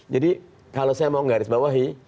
jadi kalau saya mau garis bawahi